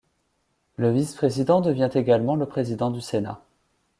Le vice-président devient également le président du Sénat.